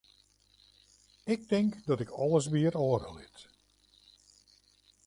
Ik tink dat ik alles by it âlde lit.